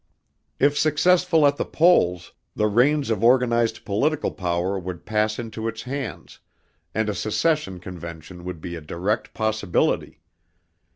If successful at the polls, the reins of organized political power would pass into its hands and a secession convention would be a direct possibility.